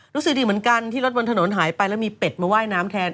รู้สึกดีเหมือนกันที่รถบนถนนหายไปแล้วมีเป็ดมาว่ายน้ำแทน